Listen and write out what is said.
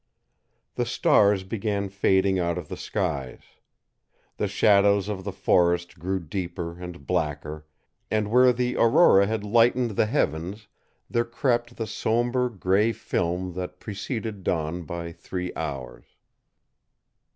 The stars began fading out of the skies. The shadows of the forest grew deeper and blacker, and where the aurora had lightened the heavens there crept the somber gray film that preceded dawn by three hours.